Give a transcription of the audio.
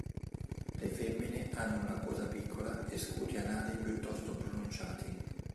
Le femmine hanno una coda piccola e scuti anali piuttosto pronunciati.